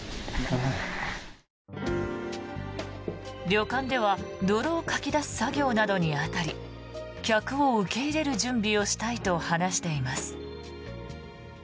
旅館では泥をかき出す作業などに当たり客を受け入れる準備をしたいと話しています。